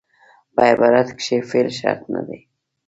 په عبارت کښي فعل شرط نه دئ.